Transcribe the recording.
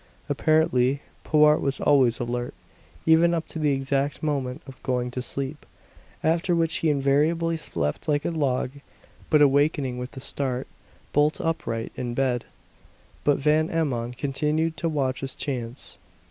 Apparently Powart was always alert, even up to the exact moment of going to sleep; after which he invariably slept like a log, but awakening with a start, bolt upright in bed. But Van Emmon continued to watch his chance.